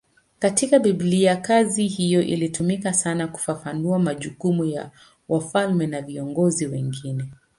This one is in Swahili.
Katika Biblia kazi hiyo ilitumika sana kufafanua majukumu ya wafalme na viongozi wengine.